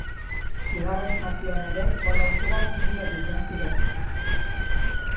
Bigarren zatian ere gol aukerak urriak izan ziren.